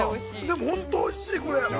でも、本当おいしい、これ。